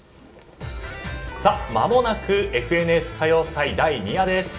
まもなく「ＦＮＳ歌謡祭」第２夜です。